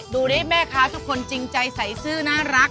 ดูดิแม่ค้าทุกคนจริงใจใส่ซื่อน่ารัก